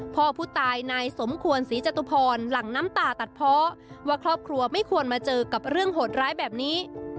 พ่อผู้ตายนายสมควรศรีจตุพรหลังน้ำตาตัดเพราะว่าครอบครัวไม่ควรมาเจอกับเรื่องโหดร้ายแบบนี้